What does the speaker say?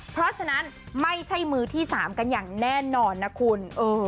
เพราะฉะนั้นไม่ใช่มือที่๓กันอย่างแน่นอนนะคุณ